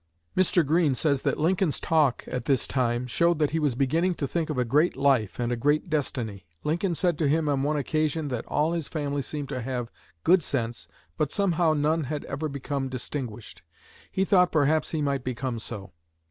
Mr. Green says that Lincoln's talk at this time showed that he was beginning to think of a great life and a great destiny. Lincoln said to him on one occasion that all his family seemed to have good sense but somehow none had ever become distinguished. He thought perhaps he might become so.